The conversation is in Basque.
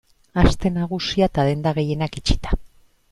Aste Nagusia eta denda gehienak itxita.